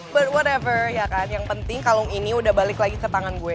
but one ever ya kan yang penting kalung ini udah balik lagi ke tangan gue